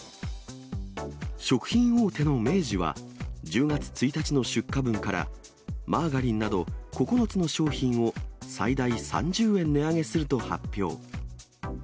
食品大手の明治は、１０月１日の出荷分から、マーガリンなど９つの商品を最大３０円値上げすると発表。